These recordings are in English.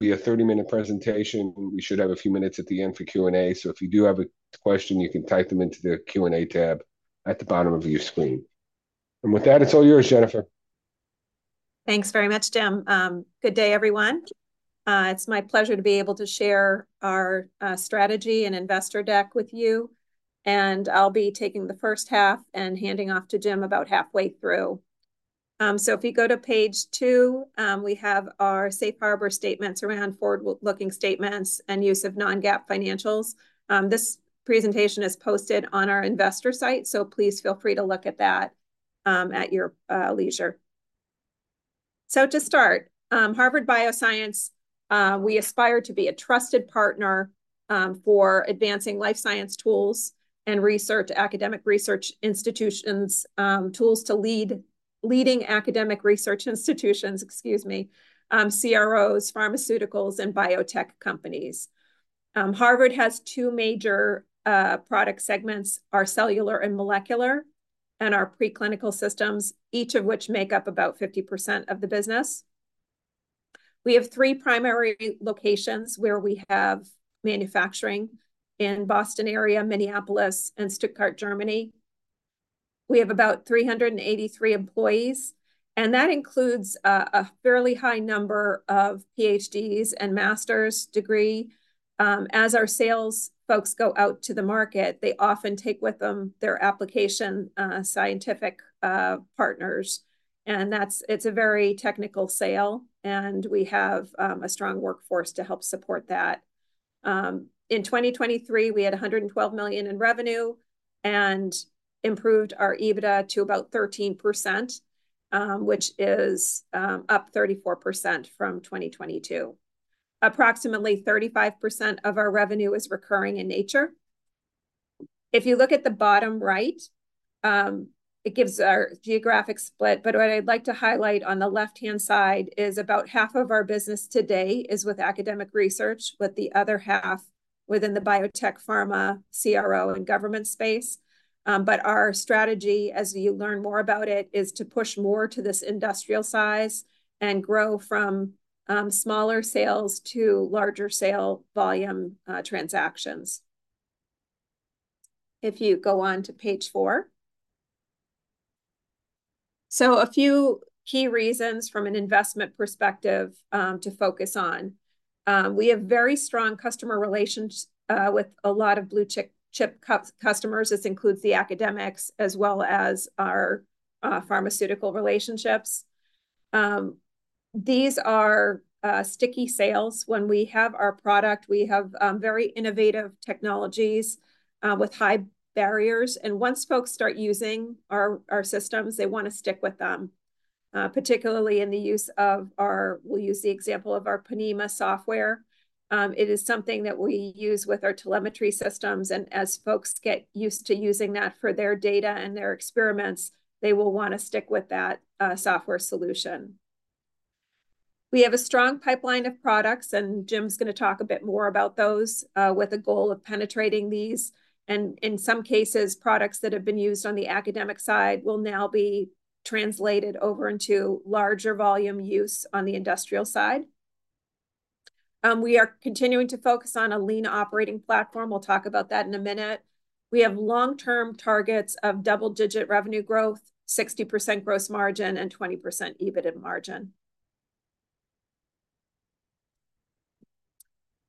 It'll be a 30-minute presentation. We should have a few minutes at the end for Q&A, so if you do have a question, you can type them into the Q&A tab at the bottom of your screen, and with that, it's all yours, Jennifer. Thanks very much, Jim. Good day, everyone. It's my pleasure to be able to share our strategy and investor deck with you, and I'll be taking the first half and handing off to Jim about halfway through. So if you go to page two, we have our safe harbor statements around forward-looking statements and use of non-GAAP financials. This presentation is posted on our investor site, so please feel free to look at that at your leisure. So to start, Harvard Bioscience, we aspire to be a trusted partner for advancing life science tools and research, academic research institutions, tools to leading academic research institutions, excuse me, CROs, pharmaceuticals, and biotech companies. Harvard has two major product segments: our cellular and molecular, and our preclinical systems, each of which make up about 50% of the business. We have three primary locations where we have manufacturing: in Boston area, Minneapolis, and Stuttgart, Germany. We have about 383 employees, and that includes a fairly high number of PhDs and master's degree. As our sales folks go out to the market, they often take with them their application scientific partners, and it's a very technical sale, and we have a strong workforce to help support that. In 2023, we had $112 million in revenue and improved our EBITDA to about 13%, which is up 34% from 2022. Approximately 35% of our revenue is recurring in nature. If you look at the bottom right, it gives our geographic split, but what I'd like to highlight on the left-hand side is about half of our business today is with academic research, with the other half within the biotech, pharma, CRO, and government space. But our strategy, as you learn more about it, is to push more to this industrial side and grow from smaller sales to larger sales volume transactions. If you go on to page four. So a few key reasons from an investment perspective to focus on. We have very strong customer relations with a lot of blue-chip customers. This includes the academics as well as our pharmaceutical relationships. These are sticky sales. When we have our product, we have very innovative technologies with high barriers, and once folks start using our systems, they wanna stick with them. Particularly in the use of our. We'll use the example of our Ponemah software. It is something that we use with our telemetry systems, and as folks get used to using that for their data and their experiments, they will wanna stick with that software solution. We have a strong pipeline of products, and Jim's gonna talk a bit more about those with a goal of penetrating these, and in some cases, products that have been used on the academic side will now be translated over into larger volume use on the industrial side. We are continuing to focus on a lean operating platform. We'll talk about that in a minute. We have long-term targets of double-digit revenue growth, 60% gross margin, and 20% EBITDA margin.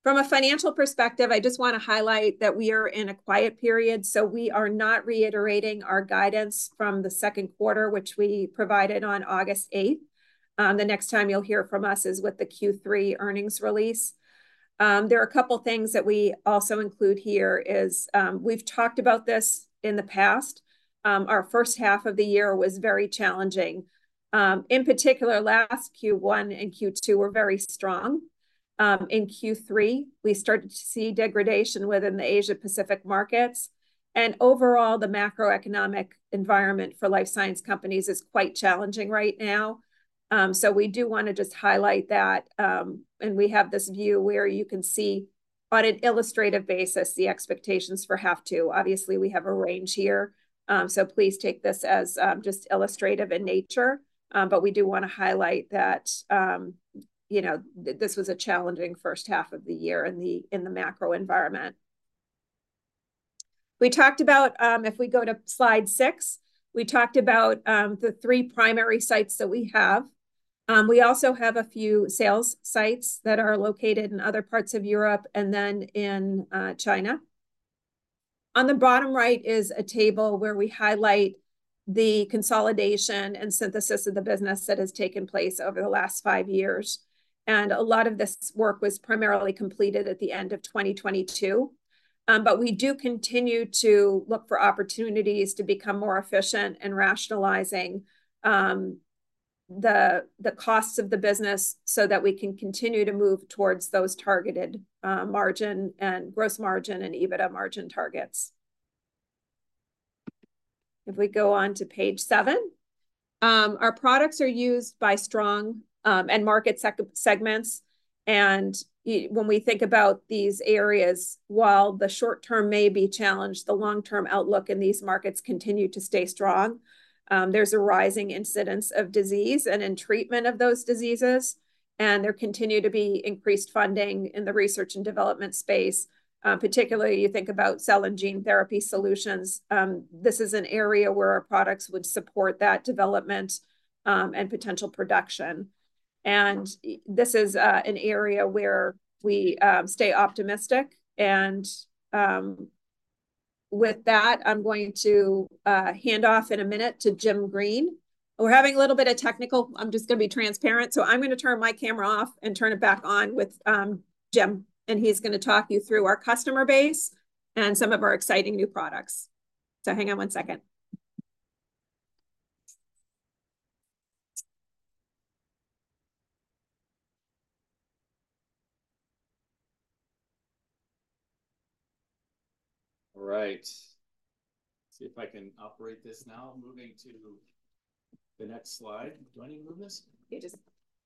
From a financial perspective, I just wanna highlight that we are in a quiet period, so we are not reiterating our guidance from the second quarter, which we provided on August 8th. The next time you'll hear from us is with the Q3 earnings release. There are a couple of things that we also include here is. We've talked about this in the past. Our first half of the year was very challenging. In particular, last Q1 and Q2 were very strong. In Q3, we started to see degradation within the Asia-Pacific markets, and overall, the macroeconomic environment for life science companies is quite challenging right now. So we do wanna just highlight that, and we have this view where you can see, on an illustrative basis, the expectations for H2 Obviously, we have a range here, so please take this as just illustrative in nature. But we do wanna highlight that, you know, this was a challenging first half of the year in the macro environment. We talked about, if we go to slide six, we talked about the three primary sites that we have. We also have a few sales sites that are located in other parts of Europe and then in China. On the bottom right is a table where we highlight the consolidation and synthesis of the business that has taken place over the last five years, and a lot of this work was primarily completed at the end of 2022. But we do continue to look for opportunities to become more efficient in rationalizing the costs of the business so that we can continue to move towards those targeted margin and gross margin and EBITDA margin targets. If we go on to page seven, our products are used by strong and market segments and when we think about these areas, while the short-term may be challenged, the long-term outlook in these markets continue to stay strong. There's a rising incidence of disease and in treatment of those diseases, and there continue to be increased funding in the research and development space.b Particularly, you think about cell and gene therapy solutions. This is an area where our products would support that development and potential production. This is an area where we stay optimistic. With that, I'm going to hand off in a minute to Jim Green. We're having a little bit of technical... I'm just gonna be transparent, so I'm gonna turn my camera off and turn it back on with Jim, and he's gonna talk you through our customer base and some of our exciting new products. Hang on one second. All right, see if I can operate this now. Moving to the next slide. Do I need to move this? Yeah, just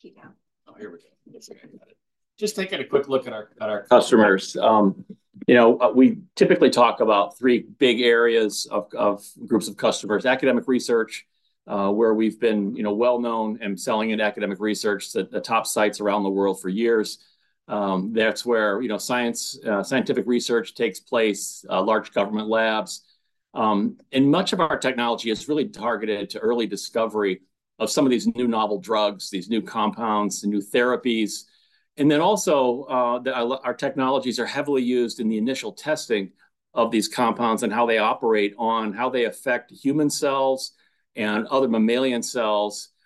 keep down. Oh, here we go. Yes, I got it. Just taking a quick look at our customers. You know, we typically talk about three big areas of groups of customers. Academic research, where we've been, you know, well-known and selling in academic research to the top sites around the world for years. That's where, you know, science, scientific research takes place, large government labs. And much of our technology is really targeted to early discovery of some of these new novel drugs, these new compounds, the new therapies. And then also, our technologies are heavily used in the initial testing of these compounds and how they operate on how they affect human cells and other mammalian cells. And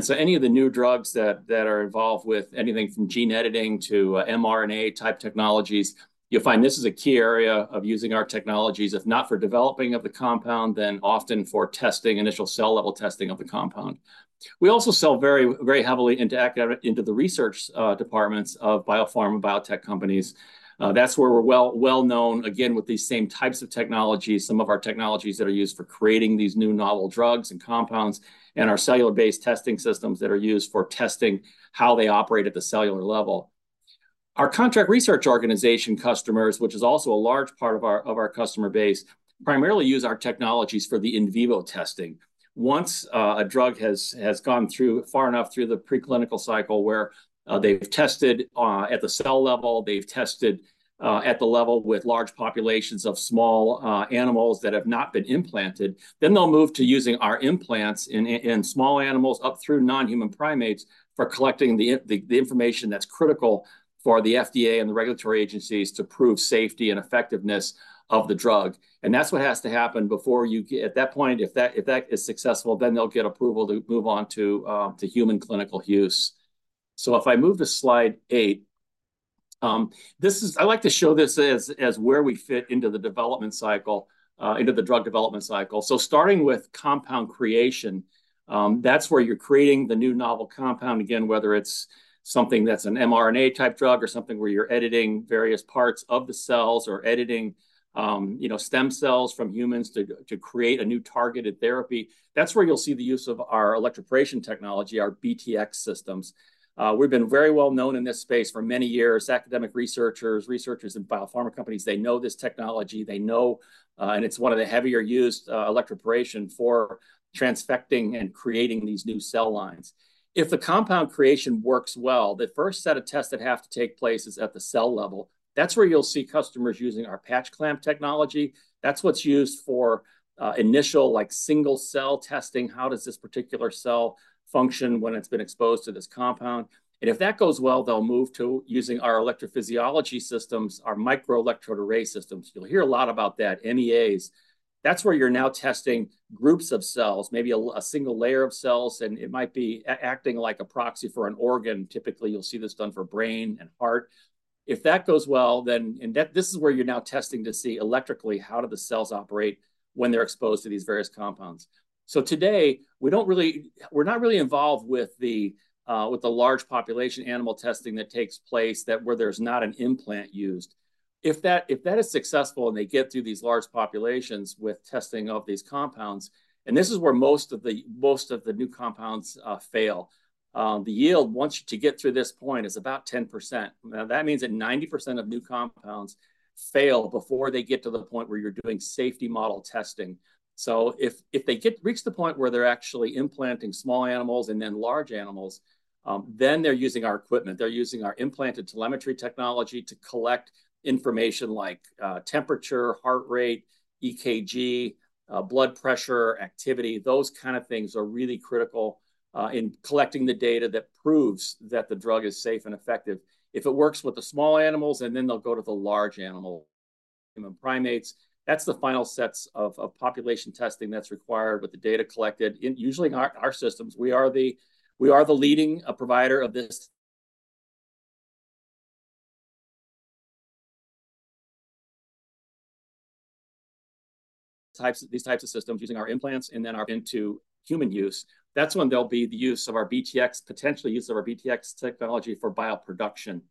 so any of the new drugs that are involved with anything from gene editing to mRNA-type technologies, you'll find this is a key area of using our technologies, if not for developing of the compound, then often for testing, initial cell-level testing of the compound. We also sell very, very heavily into the research departments of biopharma and biotech companies. That's where we're well-known, again, with these same types of technologies, some of our technologies that are used for creating these new novel drugs and compounds, and our cellular-based testing systems that are used for testing how they operate at the cellular level. Our contract research organization customers, which is also a large part of our customer base, primarily use our technologies for the in vivo testing. Once a drug has gone far enough through the pre-clinical cycle, where they've tested at the cell level, they've tested at the level with large populations of small animals that have not been implanted, then they'll move to using our implants in small animals up through non-human primates, for collecting the information that's critical for the FDA and the regulatory agencies to prove safety and effectiveness of the drug. And that's what has to happen before, at that point, if that is successful, then they'll get approval to move on to human clinical use. So if I move to slide eight, this is... I like to show this as where we fit into the development cycle into the drug development cycle. So starting with compound creation, that's where you're creating the new novel compound. Again, whether it's something that's an mRNA-type drug, or something where you're editing various parts of the cells, or editing, you know, stem cells from humans to create a new targeted therapy. That's where you'll see the use of our electroporation technology, our BTX systems. We've been very well known in this space for many years. Academic researchers, researchers in biopharma companies, they know this technology. They know, and it's one of the heavily used electroporation for transfecting and creating these new cell lines. If the compound creation works well, the first set of tests that have to take place is at the cell level. That's where you'll see customers using our patch clamp technology. That's what's used for initial, like, single-cell testing. How does this particular cell function when it's been exposed to this compound? And if that goes well, they'll move to using our electrophysiology systems, our microelectrode array systems. You'll hear a lot about that, MEAs. That's where you're now testing groups of cells, maybe a single layer of cells, and it might be acting like a proxy for an organ. Typically, you'll see this done for brain and heart. If that goes well, then... And that, this is where you're now testing to see electrically, how do the cells operate when they're exposed to these various compounds? So today, we're not really involved with the large population animal testing that takes place, that where there's not an implant used. If that is successful, and they get through these large populations with testing of these compounds, and this is where most of the new compounds fail. The yield, once you get to this point, is about 10%. Now, that means that 90% of new compounds fail before they get to the point where you're doing safety model testing. So if they reach the point where they're actually implanting small animals and then large animals, then they're using our equipment. They're using our implanted telemetry technology to collect information like temperature, heart rate, EKG, blood pressure, activity. Those kind of things are really critical in collecting the data that proves that the drug is safe and effective. If it works with the small animals, and then they'll go to the large animal, human primates, that's the final sets of population testing that's required with the data collected usually in our systems. We are the leading provider of these types of systems, using our implants, and then are into human use. That's when there'll be the use of our BTX, potentially use of our BTX technology for bioproduction.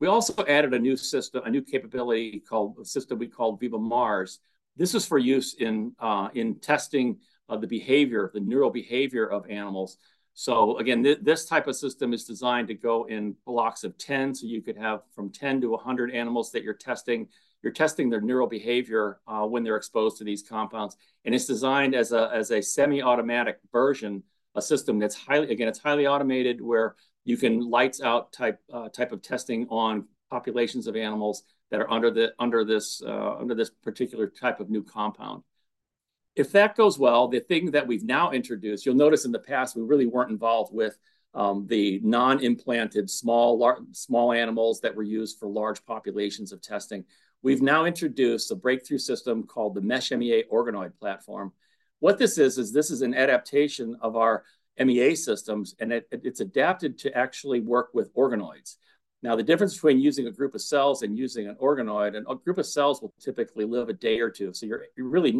We also added a new system, a new capability called a system we call VivaMARS. This is for use in testing the behavior, the neural behavior of animals. So again, this type of system is designed to go in blocks of 10, so you could have from 10-100 animals that you're testing. You're testing their neural behavior when they're exposed to these compounds, and it's designed as a semi-automatic version, a system that's highly... Again, it's highly automated, where you can lights out type of testing on populations of animals that are under this particular type of new compound. If that goes well, the thing that we've now introduced. You'll notice in the past, we really weren't involved with the non-implanted small animals that were used for large populations of testing. We've now introduced a breakthrough system called the Mesh MEA Organoid Platform. What this is, is an adaptation of our MEA systems, and it's adapted to actually work with organoids. Now, the difference between using a group of cells and using an organoid, and a group of cells will typically live a day or two, so you're really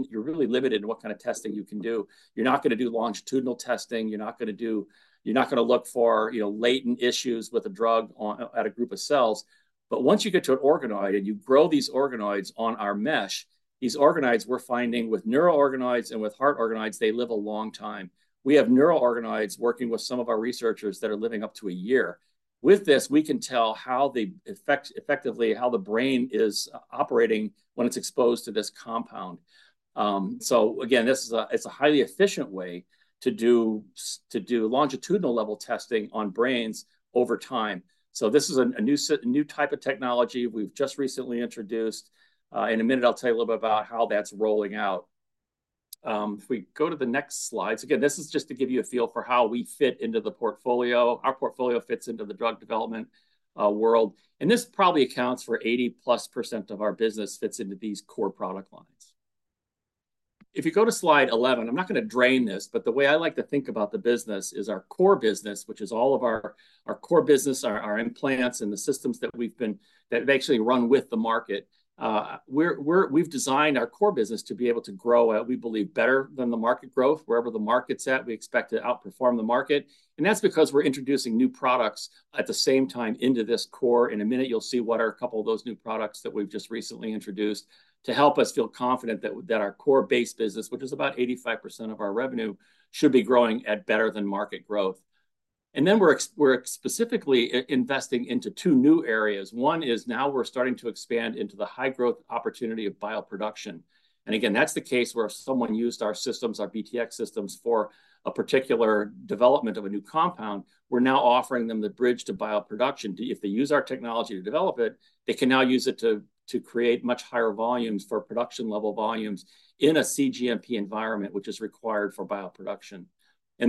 limited in what kind of testing you can do. You're not gonna do longitudinal testing, you're not gonna look for, you know, latent issues with a drug on a group of cells. But once you get to an organoid, and you grow these organoids on our mesh, these organoids, we're finding with neural organoids and with heart organoids, they live a long time. We have neural organoids working with some of our researchers that are living up to a year. With this, we can tell how they affect effectively how the brain is operating when it's exposed to this compound. So again, this is a—it's a highly efficient way to do longitudinal-level testing on brains over time. So this is a new type of technology we've just recently introduced. In a minute, I'll tell you a little bit about how that's rolling out. If we go to the next slide. So again, this is just to give you a feel for how we fit into the portfolio. Our portfolio fits into the drug development world, and this probably accounts for 80+% of our business fits into these core product lines. If you go to slide 11, I'm not gonna dwell this, but the way I like to think about the business is our core business, which is all of our implants and the systems that we've been... That actually run with the market. We've designed our core business to be able to grow at, we believe, better than the market growth. Wherever the market's at, we expect to outperform the market, and that's because we're introducing new products at the same time into this core. In a minute, you'll see what are a couple of those new products that we've just recently introduced to help us feel confident that our core base business, which is about 85% of our revenue, should be growing at better than market growth. And then we're specifically investing into two new areas. One is now we're starting to expand into the high-growth opportunity of bioproduction. Again, that's the case where if someone used our systems, our BTX systems, for a particular development of a new compound, we're now offering them the bridge to bioproduction. If they use our technology to develop it, they can now use it to create much higher volumes for production-level volumes in a cGMP environment, which is required for bioproduction.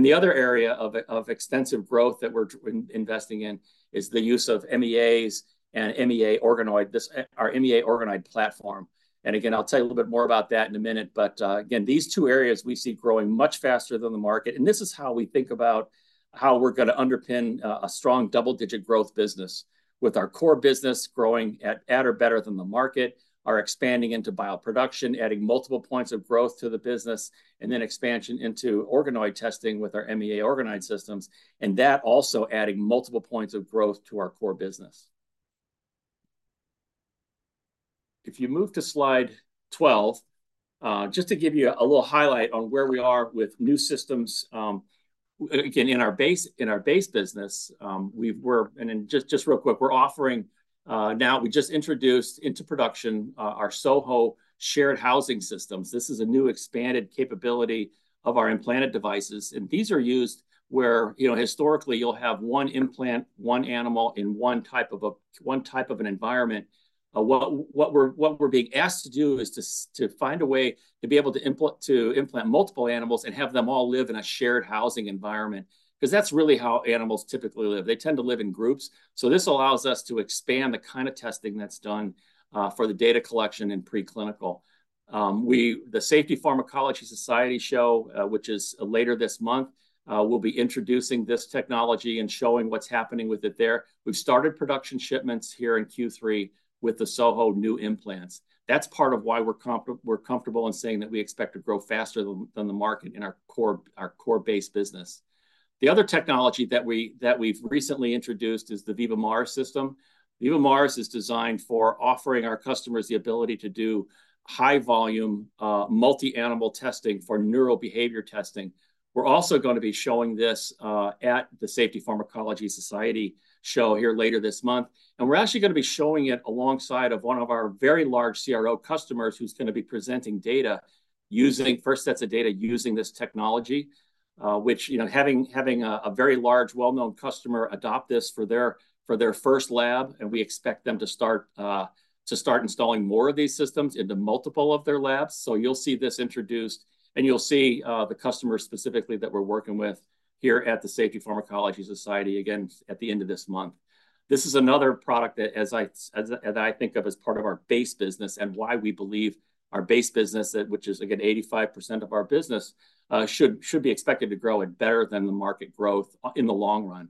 The other area of extensive growth that we're investing in is the use of MEAs and MEA organoid, this, our MEA organoid platform. Again, I'll tell you a little bit more about that in a minute. Again, these two areas we see growing much faster than the market, and this is how we think about how we're gonna underpin a strong double-digit growth business, with our core business growing at or better than the market, are expanding into bioproduction, adding multiple points of growth to the business, and then expansion into organoid testing with our MEA organoid systems, and that also adding multiple points of growth to our core business. If you move to slide 12, just to give you a little highlight on where we are with new systems. Again, in our base business, we're offering; now we just introduced into production our SoHo shared housing systems. This is a new expanded capability of our implanted devices, and these are used where, you know, historically, you'll have one implant, one animal in one type of an environment. What we're being asked to do is to find a way to be able to implant multiple animals and have them all live in a shared housing environment, 'cause that's really how animals typically live. They tend to live in groups, so this allows us to expand the kind of testing that's done for the data collection in preclinical. We, the Safety Pharmacology Society show, which is later this month, we'll be introducing this technology and showing what's happening with it there. We've started production shipments here in Q3 with the SoHo new implants. That's part of why we're comfortable in saying that we expect to grow faster than the market in our core base business. The other technology that we've recently introduced is the VivaMARS system. VivaMARS is designed for offering our customers the ability to do high-volume multi-animal testing for neural behavior testing. We're also gonna be showing this at the Safety Pharmacology Society show here later this month, and we're actually gonna be showing it alongside of one of our very large CRO customers, who's gonna be presenting data using first sets of data using this technology. Which, you know, having a very large, well-known customer adopt this for their first lab, and we expect them to start installing more of these systems into multiple of their labs. You'll see this introduced, and you'll see the customer specifically that we're working with here at the Safety Pharmacology Society, again, at the end of this month. This is another product that as I think of as part of our base business, and why we believe our base business, which is, again, 85% of our business, should be expected to grow at better than the market growth in the long run.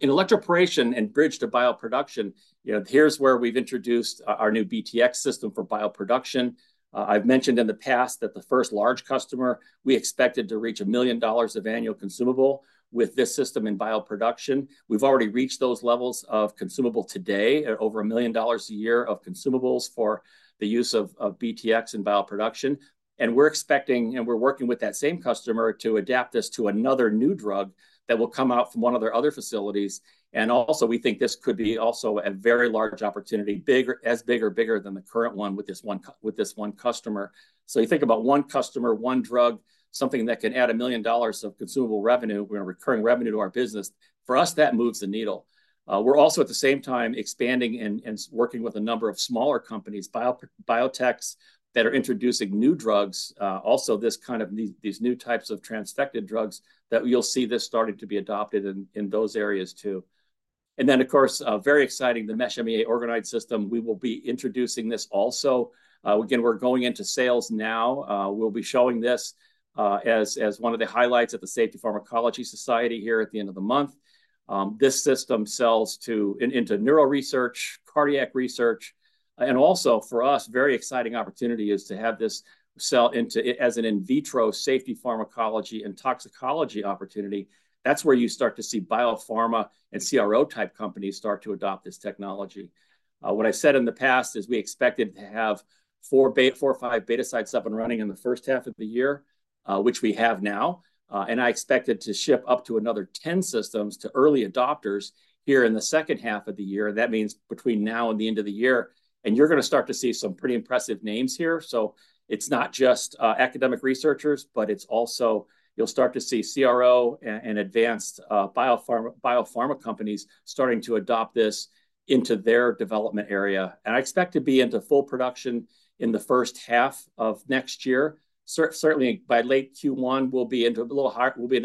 In electroporation and bridge to bioproduction, you know, here's where we've introduced our new BTX system for bioproduction. I've mentioned in the past that the first large customer we expected to reach $1 million of annual consumable with this system in bioproduction. We've already reached those levels of consumable today, at over $1 million a year of consumables for the use of BTX in bioproduction, and we're expecting. And we're working with that same customer to adapt this to another new drug that will come out from one of their other facilities. And also, we think this could be also a very large opportunity, bigger as big or bigger than the current one with this one customer. So you think about one customer, one drug, something that can add $1 million of consumable revenue, you know, recurring revenue to our business. For us, that moves the needle. We're also at the same time expanding and working with a number of smaller companies, biotechs that are introducing new drugs. Also, this kind of these new types of transfected drugs that you'll see this starting to be adopted in those areas, too, and then, of course, very exciting, the MeshMEA Organoid system we will be introducing this also. Again, we're going into sales now. We'll be showing this as one of the highlights at the Safety Pharmacology Society here at the end of the month. This system sells into neuroresearch, cardiac research, and also for us very exciting opportunity is to have this sell into as an in vitro safety pharmacology and toxicology opportunity. That's where you start to see biopharma and CRO-type companies start to adopt this technology. What I've said in the past is we expected to have four or five beta sites up and running in the first half of the year, which we have now. And I expected to ship up to another 10 systems to early adopters here in the second half of the year, that means between now and the end of the year, and you're gonna start to see some pretty impressive names here. So it's not just academic researchers, but it's also... You'll start to see CRO and advanced biopharma companies starting to adopt this into their development area. And I expect to be into full production in the first half of next year. Certainly by late Q1, we'll be into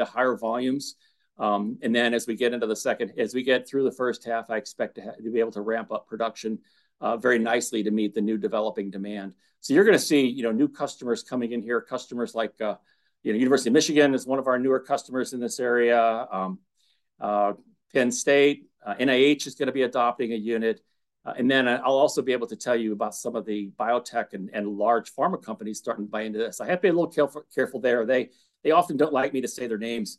higher volumes. And then as we get through the first half, I expect to be able to ramp up production very nicely to meet the new developing demand. So you're gonna see, you know, new customers coming in here, customers like, you know, University of Michigan is one of our newer customers in this area. Penn State, NIH is gonna be adopting a unit. And then, I'll also be able to tell you about some of the biotech and large pharma companies starting to buy into this. I have to be a little careful there. They often don't like me to say their names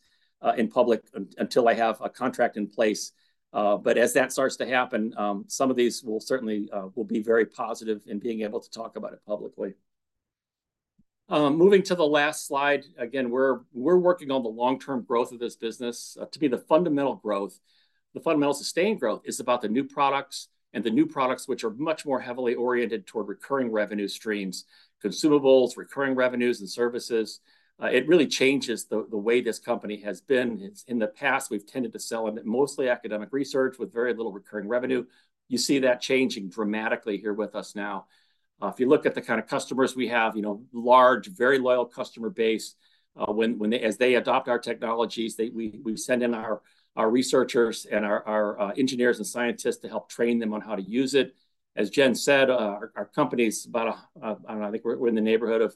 in public until I have a contract in place. But as that starts to happen, some of these will certainly be very positive in being able to talk about it publicly. Moving to the last slide, again, we're working on the long-term growth of this business to be the fundamental growth. The fundamental sustained growth is about the new products, and the new products which are much more heavily oriented toward recurring revenue streams, consumables, recurring revenues, and services. It really changes the way this company has been. In the past, we've tended to sell in mostly academic research with very little recurring revenue. You see that changing dramatically here with us now. If you look at the kind of customers we have, you know, large, very loyal customer base. When they adopt our technologies, we send in our researchers and our engineers and scientists to help train them on how to use it. As Jen said, our company's about... I don't know, I think we're in the neighborhood of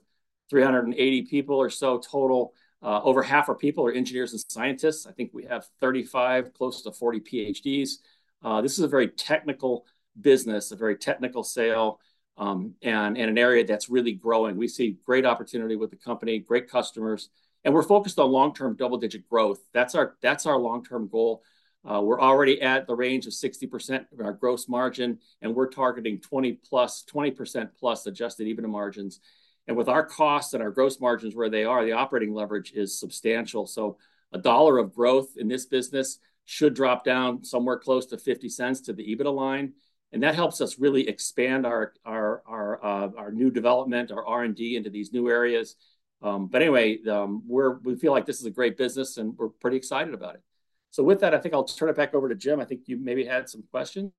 380 people or so total. Over half our people are engineers and scientists. I think we have 35, close to 40 PhDs. This is a very technical business, a very technical sale, and in an area that's really growing. We see great opportunity with the company, great customers, and we're focused on long-term double-digit growth. That's our long-term goal. We're already at the range of 60% of our gross margin, and we're targeting 20-plus, 20%-plus adjusted EBITDA margins. And with our costs and our gross margins where they are, the operating leverage is substantial. So a $1 of growth in this business should drop down somewhere close to $0.50 to the EBITDA line, and that helps us really expand our new development, our R&D into these new areas. But anyway, we feel like this is a great business, and we're pretty excited about it. So with that, I think I'll just turn it back over to Jim. I think you maybe had some questions.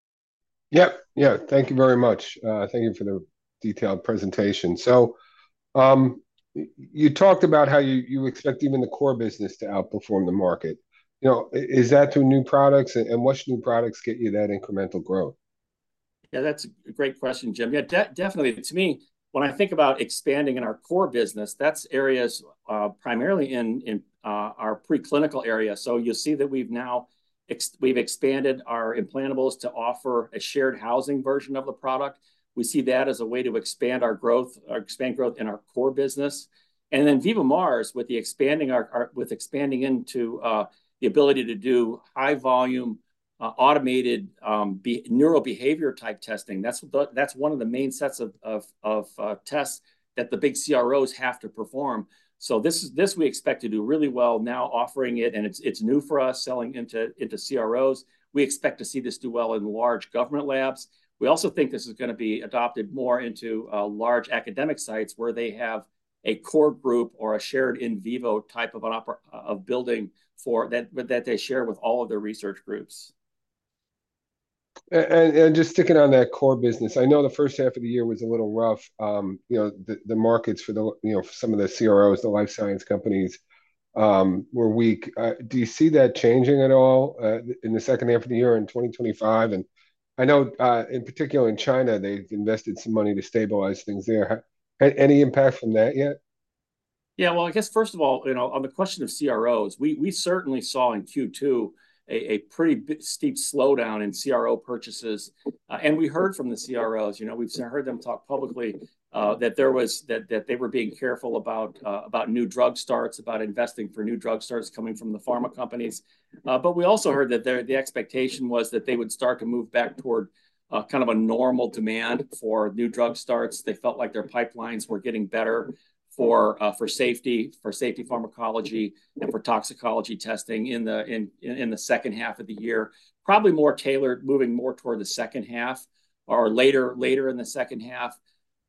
Yep. Yeah. Thank you very much. Thank you for the detailed presentation. So, you talked about how you expect even the core business to outperform the market. You know, is that through new products, and which new products get you that incremental growth? Yeah, that's a great question, Jim. Yeah, definitely. To me, when I think about expanding in our core business, that's areas primarily in our preclinical area. So you'll see that we've now expanded our implantables to offer a shared housing version of the product. We see that as a way to expand our growth, expand growth in our core business. And then VivaMARS, with expanding into the ability to do high-volume automated neurobehavioral-type testing, that's one of the main sets of tests that the big CROs have to perform. So this we expect to do really well now offering it, and it's new for us, selling into CROs. We expect to see this do well in large government labs. We also think this is gonna be adopted more into large academic sites, where they have a core group or a shared in vivo type of building for that they share with all of their research groups. And just sticking on that core business, I know the first half of the year was a little rough. You know, the markets for, you know, some of the CROs, the life science companies, were weak. Do you see that changing at all in the second half of the year in 2025? And I know, in particular in China, they've invested some money to stabilize things there. Any impact from that yet? Yeah, well, I guess first of all, you know, on the question of CROs, we certainly saw in Q2 a pretty steep slowdown in CRO purchases, and we heard from the CROs, you know, we've heard them talk publicly, that they were being careful about new drug starts, about investing for new drug starts coming from the pharma companies, but we also heard that the expectation was that they would start to move back toward kind of a normal demand for new drug starts. They felt like their pipelines were getting better for safety pharmacology, and for toxicology testing in the second half of the year, probably more tailored, moving more toward the second half or later in the second half,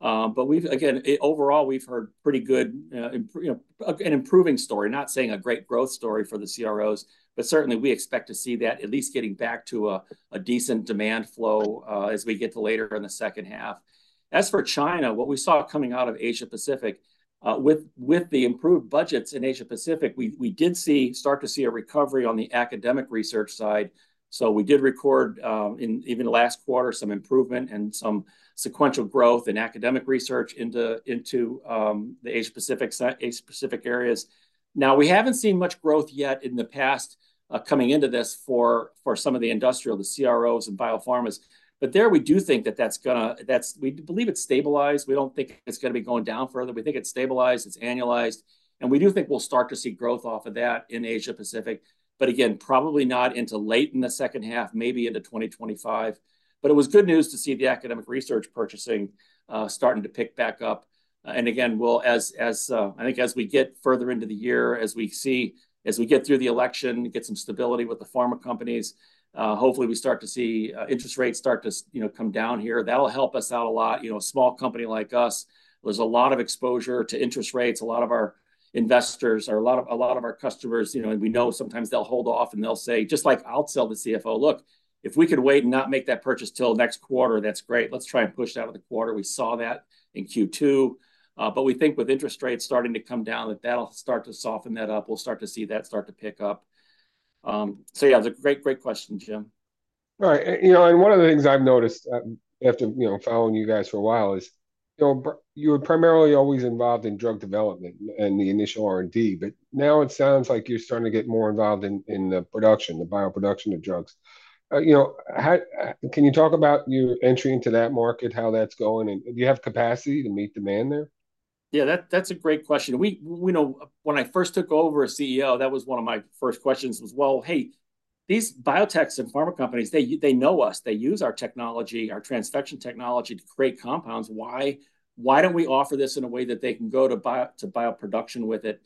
but we've again, overall, we've heard pretty good, you know, an improving story. Not saying a great growth story for the CROs, but certainly we expect to see that at least getting back to a decent demand flow, as we get to later in the second half. As for China, what we saw coming out of Asia Pacific, with the improved budgets in Asia Pacific, we did see start to see a recovery on the academic research side. So we did record, in even last quarter, some improvement and some sequential growth in academic research into the Asia Pacific areas. Now, we haven't seen much growth yet in the past, coming into this for some of the industrial, the CROs and biopharmas. But there we do think that that's gonna we believe it's stabilized. We don't think it's gonna be going down further. We think it's stabilized, it's annualized, and we do think we'll start to see growth off of that in Asia-Pacific, but again, probably not until late in the second half, maybe into 2025. But it was good news to see the academic research purchasing starting to pick back up. And again, we'll, I think as we get further into the year, as we get through the election, we get some stability with the pharma companies, hopefully we start to see interest rates start to, you know, come down here. That'll help us out a lot. You know, a small company like us, there's a lot of exposure to interest rates. A lot of our investors or a lot of our customers, you know, and we know sometimes they'll hold off and they'll say... Just like I'll tell the CFO, "Look, if we could wait and not make that purchase till next quarter, that's great. Let's try and push that out to the quarter." We saw that in Q2, but we think with interest rates starting to come down, that that'll start to soften that up. We'll start to see that start to pick up. So yeah, it's a great, great question, Jim. Right. You know, and one of the things I've noticed, after, you know, following you guys for a while, is, you know, you were primarily always involved in drug development and the initial R&D, but now it sounds like you're starting to get more involved in the production, the bioproduction of drugs. You know, can you talk about your entry into that market, how that's going, and do you have capacity to meet demand there? Yeah, that, that's a great question. We know, when I first took over as CEO, that was one of my first questions, was, "Well, hey, these biotechs and pharma companies, they know us. They use our technology, our transfection technology to create compounds. Why don't we offer this in a way that they can go to bioproduction with it?"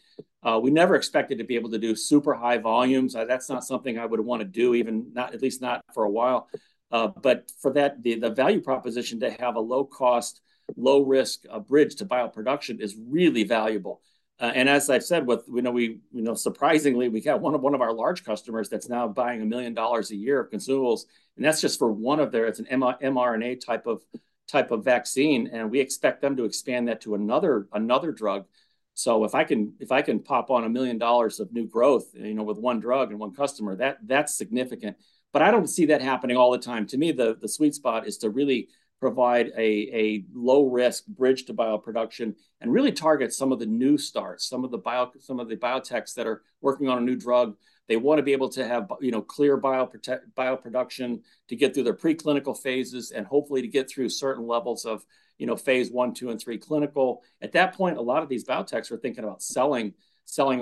We never expected to be able to do super high volumes. That's not something I would want to do, even, at least not for a while. But for that, the value proposition to have a low-cost, low-risk bridge to bioproduction is really valuable. And as I've said, with, we know, you know, surprisingly, we got one of one of our large customers that's now buying $1 million a year of consumables, and that's just for one of their it's an mRNA type of vaccine, and we expect them to expand that to another drug. So if I can pop on $1 million of new growth, you know, with one drug and one customer, that's significant. But I don't see that happening all the time. To me, the sweet spot is to really provide a low-risk bridge to bioproduction and really target some of the new starts, some of the biotechs that are working on a new drug. They want to be able to have, you know, clear bioproduction to get through their preclinical phases, and hopefully to get through certain levels of, you know, phase one, two, and three clinical. At that point, a lot of these biotechs are thinking about selling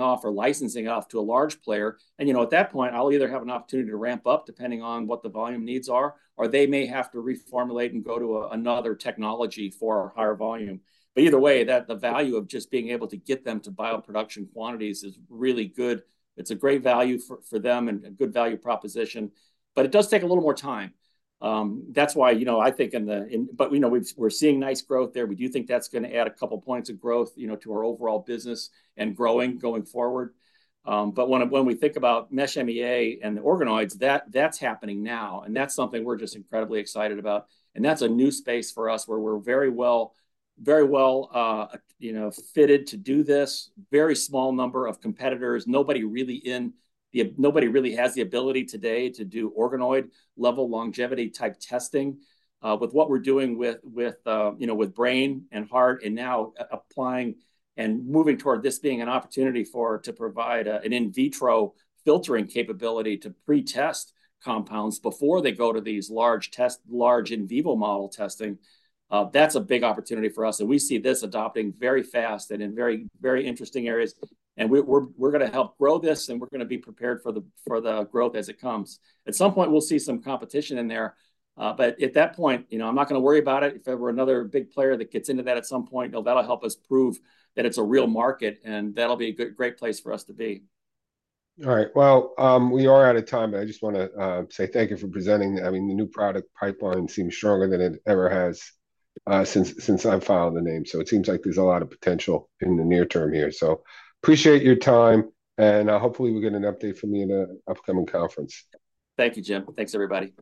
off or licensing off to a large player. You know, at that point, I'll either have an opportunity to ramp up, depending on what the volume needs are, or they may have to reformulate and go to another technology for a higher volume. Either way, the value of just being able to get them to bioproduction quantities is really good. It's a great value for them and a good value proposition, but it does take a little more time. That's why, you know, I think, but, you know, we're seeing nice growth there. We do think that's gonna add a couple points of growth, you know, to our overall business and growing going forward. But when we think about Mesh MEA and the organoids, that's happening now, and that's something we're just incredibly excited about. And that's a new space for us, where we're very well, you know, fitted to do this. Very small number of competitors. Nobody really has the ability today to do organoid-level longevity-type testing. With what we're doing, you know, with brain and heart, and now applying and moving toward this being an opportunity to provide an in vitro filtering capability to pre-test compounds before they go to these large in vivo model testing, that's a big opportunity for us, and we see this adopting very fast and in very, very interesting areas, and we're gonna help grow this, and we're gonna be prepared for the growth as it comes. At some point, we'll see some competition in there, but at that point, you know, I'm not gonna worry about it. If ever another big player that gets into that at some point, well, that'll help us prove that it's a real market, and that'll be a good, great place for us to be. All right. Well, we are out of time, but I just wanna say thank you for presenting. I mean, the new product pipeline seems stronger than it ever has since I've followed the name. So it seems like there's a lot of potential in the near term here. So appreciate your time, and hopefully we'll get an update from you in an upcoming conference. Thank you, Jim. Thanks, everybody.